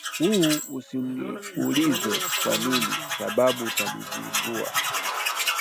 Uh, usiniulize kwa nini, sababu utanizingua